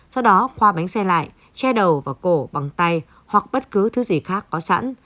sau đó khoa bánh xe lại che đầu và cổ bằng tay hoặc bất cứ thứ gì khác có sẵn